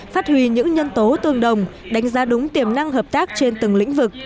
phát huy những nhân tố tương đồng đánh giá đúng tiềm năng hợp tác trên từng lĩnh vực